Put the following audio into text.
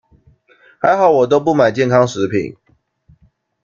還好我都不買健康食品